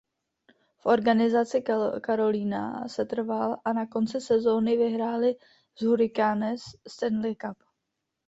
V organizaci Carolina setrval a na konci sezóny vyhráli s Hurricanes Stanley Cup.